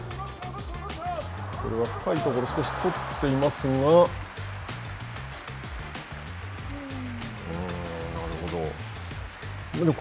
これは深いところを取っていますが、なるほど。